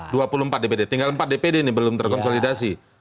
dua puluh empat dpd tinggal empat dpd ini belum terkonsolidasi